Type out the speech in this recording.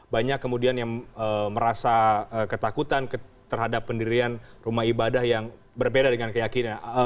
banyak kemudian yang merasa ketakutan terhadap pendirian rumah ibadah yang berbeda dengan keyakinan